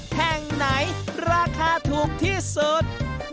แห่งไหนราคาถูกที่สุด